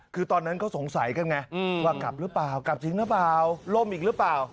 คือตอนนั้นเขาสงสัยกันไงว่ากลับหรือเปล่ากลับจริงหรือเปล่าล่มอีกหรือเปล่า